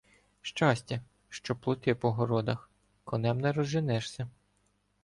Щастя, що плоти по городах — конем не розженешся.